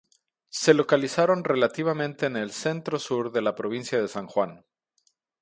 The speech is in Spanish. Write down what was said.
Se localizan relativamente en el centro sur de la provincia de San Juan.